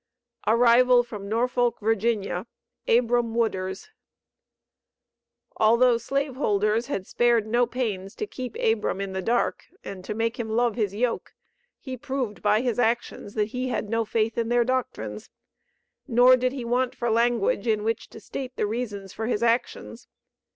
ARRIVAL FROM NORFOLK, VA. ABRAM WOODERS. Although slave holders had spared no pains to keep Abram in the dark and to make him love his yoke, he proved by his actions, that he had no faith in their doctrines. Nor did he want for language in which to state the reasons for his actions.